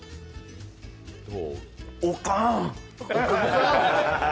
おかん！